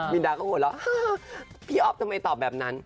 มีนดาก็หัวเราะพี่อ๊อฟทำไมตอบแบบนั้น